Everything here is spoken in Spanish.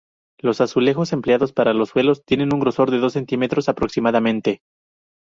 Los azulejos empleados para los suelos tienen un grosor de dos centímetros aproximadamente.